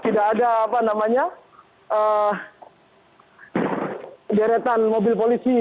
tidak ada deretan mobil polisi